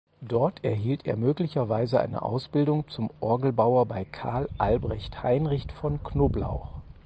Dort erhielt er möglicherweise eine Ausbildung zum Orgelbauer bei Carl Albrecht Heinrich von Knoblauch.